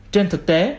trên thực tế